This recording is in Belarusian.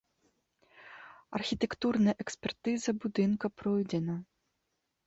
Архітэктурная экспертыза будынка пройдзена.